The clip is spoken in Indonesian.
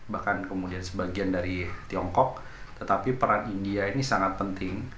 bahkan kemudian sebagian dari tiongkok tetapi peran india ini sangat penting